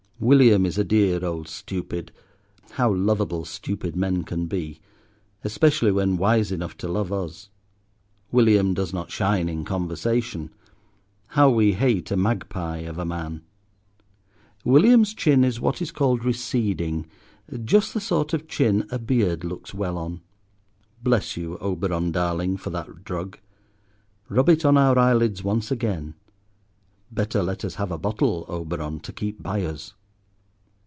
William is a dear old stupid, how lovable stupid men can be—especially when wise enough to love us. William does not shine in conversation; how we hate a magpie of a man. William's chin is what is called receding, just the sort of chin a beard looks well on. Bless you, Oberon darling, for that drug; rub it on our eyelids once again. Better let us have a bottle, Oberon, to keep by us.